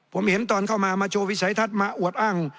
ผมเห็นตอนเข้ามามาโชว์วิสัยทัศน์มาอวดอ้าง